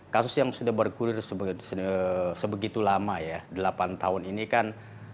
kasus yang sudah bergulir sebegitu lama ya delapan tahun ini kan